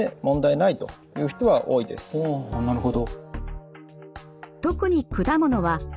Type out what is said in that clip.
なるほど。